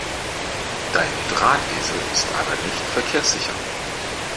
Dein Drahtesel ist aber nicht verkehrssicher!